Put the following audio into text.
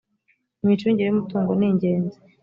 imicungire yumutungo ningenzi.